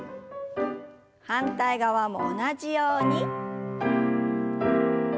反対側も同じように。